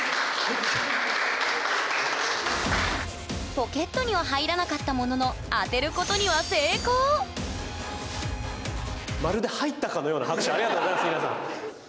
ポケットには入らなかったもののまるで入ったかのような拍手ありがとうございます皆さん。